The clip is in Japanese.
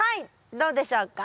どうでしょうか？